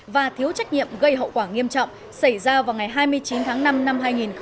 và thiếu trách nhiệm gây hậu quả nghiêm trọng xảy ra vào ngày hai mươi chín tháng năm năm hai nghìn một mươi chín